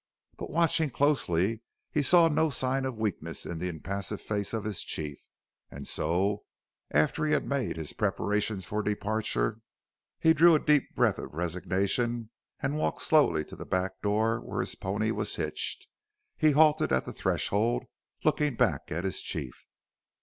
But watching closely he saw no sign of weakness in the impassive face of his chief, and so, after he had made his preparations for departure, he drew a deep breath of resignation and walked slowly to the back door, where his pony was hitched. He halted at the threshold, looking back at his chief.